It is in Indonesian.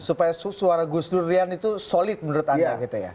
supaya suara gus durian itu solid menurut anda gitu ya